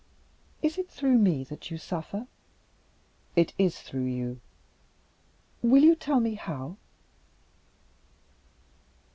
"Is it through me that you suffer?" "It is through you." "Will you tell me how?"